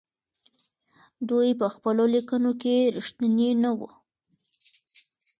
دوی په خپلو ليکنو کې رښتيني نه وو.